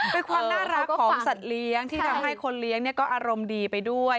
เป็นความน่ารักของสัตว์เลี้ยงที่ทำให้คนเลี้ยงก็อารมณ์ดีไปด้วย